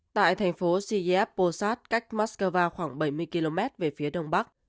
tại thành phố siyep posad cách moskova khoảng bảy mươi km về phía đông bắc